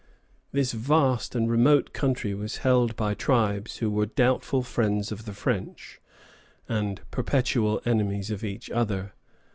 This vast and remote country was held by tribes who were doubtful friends of the French, and perpetual enemies of each other.